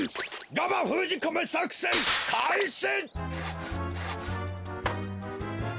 ガマふうじこめさくせんかいし！